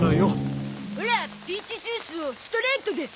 オラピーチジュースをストレートで！